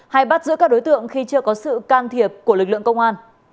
hay bắt giữ các đối tượng khi chưa có sự can thiệp của lực lượng công an